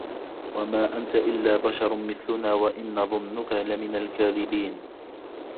وَما أَنتَ إِلّا بَشَرٌ مِثلُنا وَإِن نَظُنُّكَ لَمِنَ الكاذِبينَ